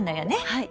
はい。